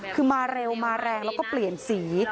คือมาเร็วมาแรงแล้วก็เปลี่ยนสี